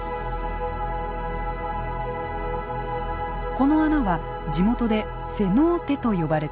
この穴は地元でセノーテと呼ばれています。